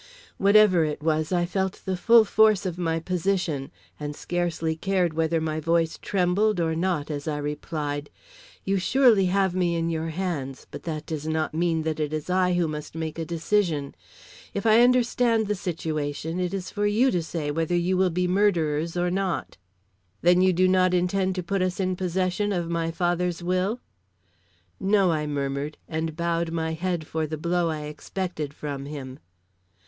Whatever it was, I felt the full force of my position, and scarcely cared whether my voice trembled or not as I replied: "You surely have me in your hands; but that does not mean that it is I who must make a decision. If I understand the situation, it is for you to say whether you will be murderers or not." "Then you do not intend to put us in possession of my father's will?" "No," I murmured, and bowed my head for the blow I expected from him.